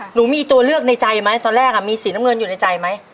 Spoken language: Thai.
หนูมีตัวเลือกในใจไหมตอนแรกมีสีน้ำเงินอยู่ในใจไหม